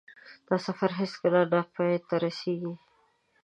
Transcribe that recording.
دا سفر هېڅکله نه پای ته رسېږي.